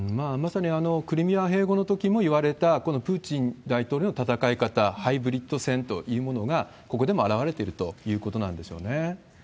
まさにクリミア併合のときもいわれた、このプーチン大統領の戦い方、ハイブリッド戦というものが、ここでも表れてるということなんでしょうね。